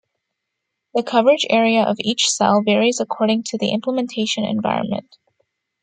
The coverage area of each cell varies according to the implementation environment.